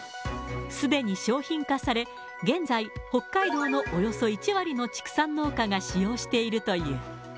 すでに商品化され、現在、北海道のおよそ１割の畜産農家が使用しているという。